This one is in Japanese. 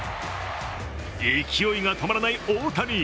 勢いが止まらない大谷。